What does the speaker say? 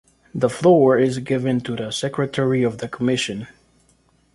The floor is given to the Secretary of the Commission.